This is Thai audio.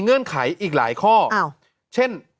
เงื่อนไขอีกหลายข้อเช่น